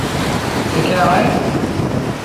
C’est quel arrêt ?